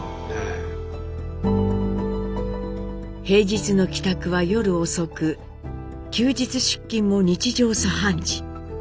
平日の帰宅は夜遅く休日出勤も日常茶飯事。